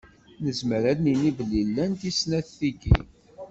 Nezmer ad d-nini belli llant i snat tigi.